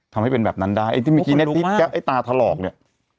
ทำให้เป็นแบบนั้นได้ไอ้ตาทะหรอกเนี่ย